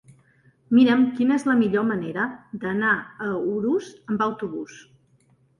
Mira'm quina és la millor manera d'anar a Urús amb autobús.